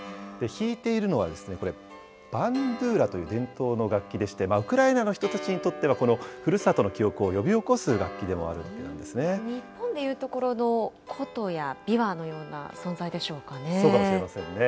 弾いているのは、これ、バンドゥーラという伝統の楽器でして、ウクライナの人たちにとってはこのふるさとの記憶を呼び起こす楽日本でいうところの琴や琵琶そうかもしれませんね。